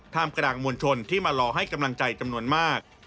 กลางมวลชนที่มารอให้กำลังใจจำนวนมาก